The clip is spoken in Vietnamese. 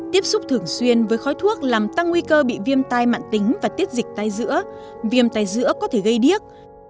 tiếp xúc thường xuyên với khói thuốc làm tăng nguy cơ bị viêm tai mạn tính và tiết dịch tai dữa viêm tai dữa có thể gây điếc